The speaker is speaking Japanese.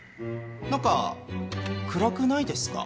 何か暗くないですか？